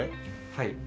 はい。